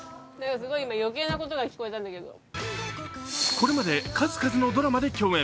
これまで数々のドラマで共演。